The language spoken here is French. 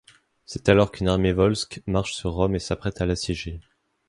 C'est alors qu'une armée volsque marche sur Rome et s'apprête à l'assiéger.